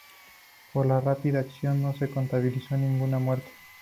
Por la rápida acción no se contabilizó ninguna muerte.